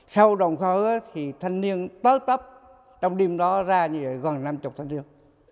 sau đồng khởi thì thanh niên tớ tấp trong đêm đó ra như vậy gần năm mươi thanh niên